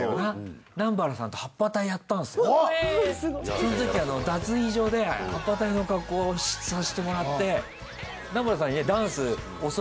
その時脱衣所ではっぱ隊の恰好をさせてもらって。